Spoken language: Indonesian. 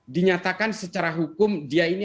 dinyatakan secara hukum dia ini